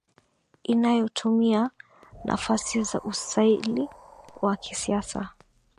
inayotumia nafasi za usaili wa kisasa